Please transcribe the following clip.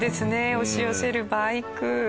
押し寄せるバイク。